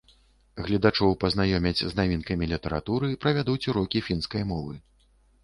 Гледачоў пазнаёмяць з навінкамі літаратуры, правядуць урокі фінскай мовы.